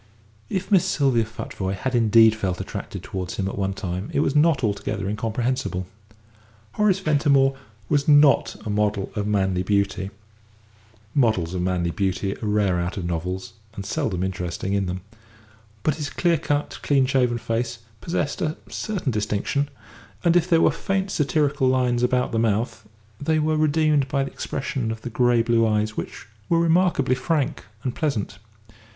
If Miss Sylvia Futvoye had indeed felt attracted towards him at one time it was not altogether incomprehensible. Horace Ventimore was not a model of manly beauty models of manly beauty are rare out of novels, and seldom interesting in them; but his clear cut, clean shaven face possessed a certain distinction, and if there were faint satirical lines about the mouth, they were redeemed by the expression of the grey blue eyes, which were remarkably frank and pleasant.